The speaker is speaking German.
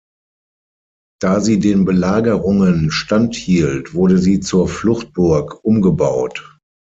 Da sie den Belagerungen standhielt, wurde sie zur Fluchtburg umgebaut.